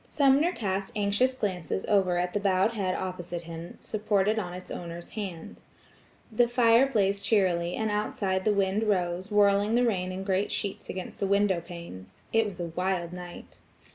Sumner cast anxious glances over at the bowed head opposite him supported on its owner's hand. The fire blazed cheerily, and outside the wind rose, whirling the rain in great sheets against the window panes. It was a wild night.